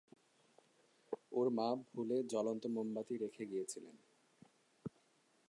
ওর মা ভুলে জ্বলন্ত মোমবাতি রেখে গিয়েছিলেন।